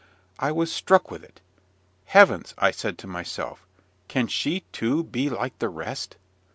I was struck with it. "Heavens!" I said to myself, "can she, too, be like the rest?"